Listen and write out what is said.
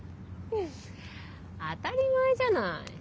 フッ当たり前じゃない。